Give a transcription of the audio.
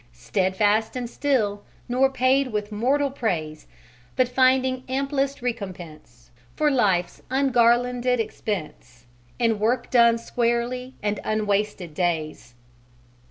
Steadfast and still, nor paid with mortal praise, But finding amplest recompense For life's ungarlanded expense In work done squarely and unwasted days."